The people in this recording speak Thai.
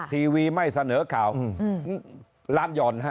ทีวีไม่เสนอข่าวร้านหย่อนฮะ